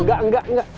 enggak enggak enggak